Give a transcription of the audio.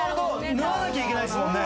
縫わなきゃいけないですもんね